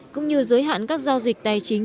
cũng như giới hạn các giao dịch tài chính